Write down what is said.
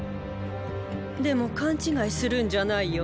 でも勘違いするんじゃないよ